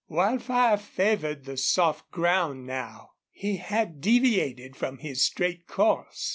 Wildfire favored the soft ground now. He had deviated from his straight course.